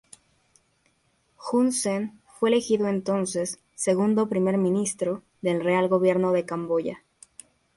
Hun Sen fue elegido entonces "Segundo Primer ministro" del Real Gobierno de Camboya.